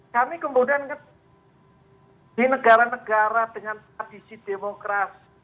kami kemudian di negara negara dengan tradisi demokrasi